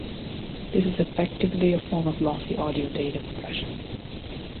This is effectively a form of lossy audio data compression.